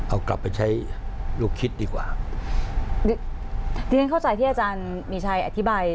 เอากลับไปใช้ลูกคิดดีกว่าดิฉันเข้าใจที่อาจารย์มีชัยอธิบาย